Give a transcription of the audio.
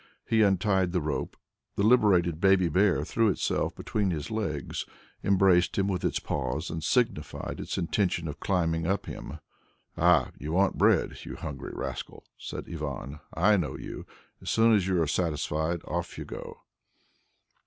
He untied the rope; the liberated baby bear threw itself between his legs, embraced him with its paws and signified its intention of climbing up him. "Ah, you want bread, you hungry rascal," said Ivan. "I know you; as soon as you are satisfied, off you go."